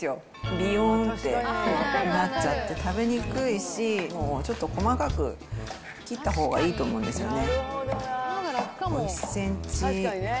びよーんってなっちゃって食べにくいし、ちょっと細かく切ったほうがいいと思うんですよね。